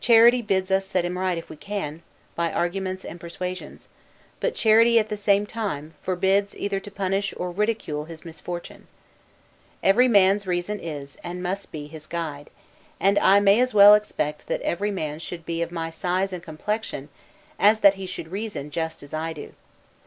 Charity bids us set him right if we can, by arguments and persuasions; but charity, at the same time, forbids, either to punish or ridicule his misfortune. Every man's reason is, and must be, his guide; and I may as well expect that every man should be of my size and complexion, as that he should reason just as I do.